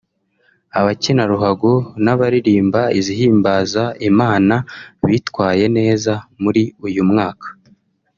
abakina ruhago n’abaririmba izihimbaza Imana bitwaye neza muri uyu mwaka